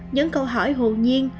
nhấn câu hỏi hồ nhiên